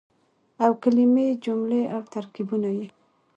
او کلمې ،جملې او ترکيبونه يې